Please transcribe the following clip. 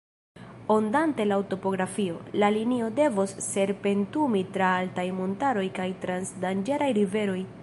Ondante laŭ topografio, la linio devos serpentumi tra altaj montaroj kaj trans danĝeraj riveroj.